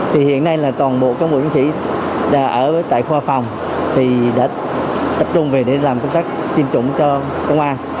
thì hiện nay là toàn bộ cán bộ chiến sĩ ở tại khoa phòng thì đã tập trung về để làm công tác tiêm chủng cho công an